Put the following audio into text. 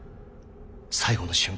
最後の瞬間